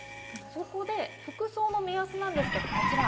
そこで服装の目安なんですが、こちら。